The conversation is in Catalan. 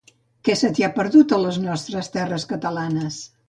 Què se t'hi ha perdut, a les nostres terres catalanes?